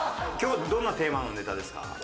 今日はどんなテーマのネタですか？